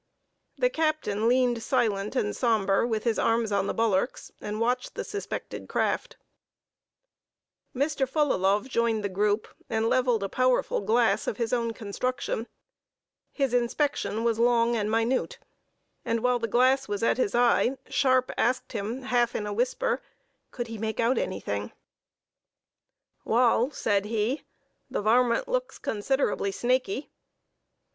The captain leaned silent and sombre with his arms on the bulwarks, and watched the suspected craft. Mr. Fullalove joined the group, and levelled a powerful glass, of his own construction. His inspection was long and minute, and, while the glass was at his eye, Sharpe asked him half in a whisper, could he make out anything? "Wal," said he, "the varmint looks considerably snaky."